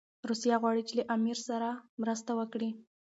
روسیه غواړي چي له امیر سره مرسته وکړي.